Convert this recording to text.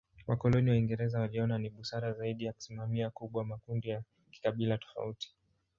Wakoloni Waingereza waliona ni busara zaidi ya kusimamia kubwa makundi ya kikabila tofauti.